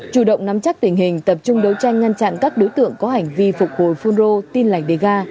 chủ động nắm chắc tình hình tập trung đấu tranh ngăn chặn các đối tượng có hành vi phục hồi phun rô tin lành đề ga